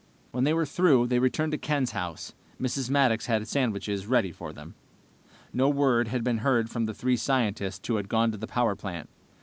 When they were through, they returned to Ken's house. Mrs. Maddox had sandwiches ready for them. No word had been heard from the three scientists who had gone to the power plant.